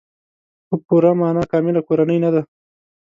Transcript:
په پوره معنا کامله کورنۍ نه ده.